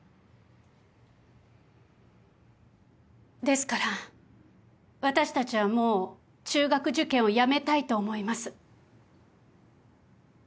ですから私たちはもう中学受験をやめたいと思います。